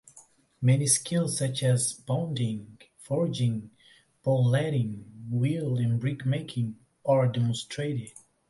Many skills such as bodging, forging, pole-lathing, wheel and brick-making are demonstrated.